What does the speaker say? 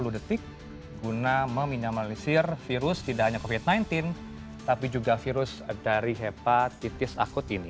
sepuluh detik guna meminimalisir virus tidak hanya covid sembilan belas tapi juga virus dari hepatitis akut ini